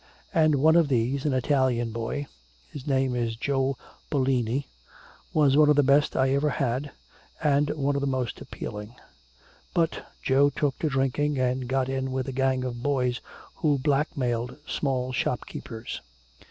And one of these, an Italian boy his name is Joe Bolini was one of the best I ever had, and one of the most appealing. But Joe took to drinking and got in with a gang of boys who blackmailed small shopkeepers.